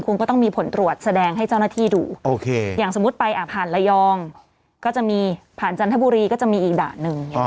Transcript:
คุณก็ต้องมีผลตรวจแสดงให้เจ้าหน้าที่ดูโอเคอย่างสมมุติไปผ่านระยองก็จะมีผ่านจันทบุรีก็จะมีอีกด่านหนึ่ง